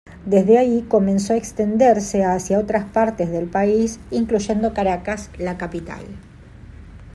Desde ahí comenzó a extenderse hacia otras partes del país, incluyendo Caracas, la capital.